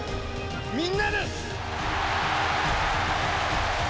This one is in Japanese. みんなです！